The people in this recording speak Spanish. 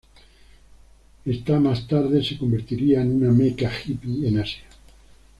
Esta más tarde se convertiría en una "mecca" hippie en Asia.